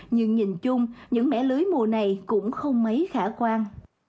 nhưng nhìn chung những mẻ lưới mùa này cũng không mấy khả quan